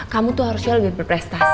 kamu tuh harusnya lebih berprestasi